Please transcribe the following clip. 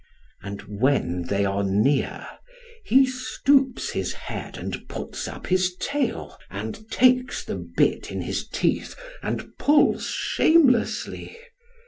And when they are near he stoops his head and puts up his tail, and takes the bit in his teeth and pulls shamelessly.